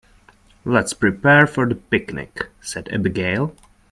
"Let's prepare for the picnic!", said Abigail.